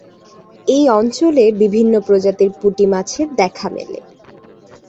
এই অঞ্চলে বিভিন্ন প্রজাতির পুঁটি মাছের দেখা মেলে।